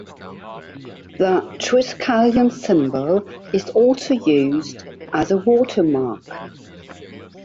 The triskelion symbol is also used as a watermark.